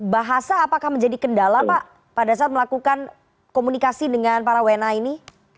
bahasa apakah menjadi kendala pak pada saat melakukan komunikasi dengan para wna ini